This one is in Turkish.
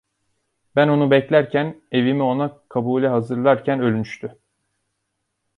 Ben onu beklerken, evimi ona kabule hazırlarken ölmüştü.